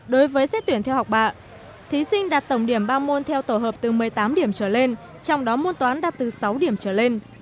đối với xét tuyển theo học bạ thí sinh đạt tổng điểm ba môn theo tổ hợp từ một mươi tám điểm trở lên trong đó môn toán đạt từ sáu điểm trở lên